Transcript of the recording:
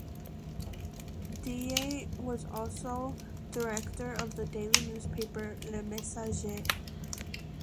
Ndiaye was also director of the daily newspaper "Le Messager".